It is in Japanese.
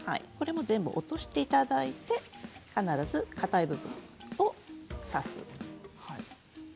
これも全部落としていただいて必ずかたい部分を挿す。